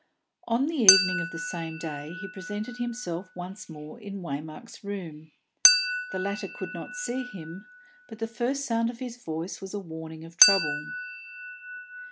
On the evening of the same day he presented himself once more in Waymark's room. The latter could not see him, but the first sound of his voice was a warning of trouble.